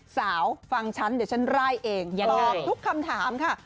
ฟังฉันเดี๋ยวฉันไล่เองตอบทุกคำถามค่ะ